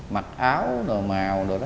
mặc áo màu đồ đó